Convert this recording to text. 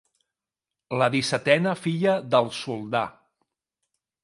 La dissetena filla del soldà.